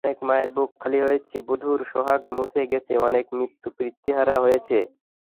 অনেক মায়ের বুক খালি হয়েছে, বধূর সোহাগ মুছে গেছে, অনেকে মাতৃ-পিতৃহারা হয়েছে।